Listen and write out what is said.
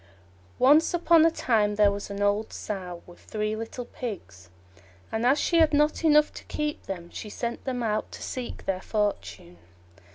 Once upon a time there was an old Sow with three little Pigs, and as she had not enough to keep them, she sent them out to seek their fortune.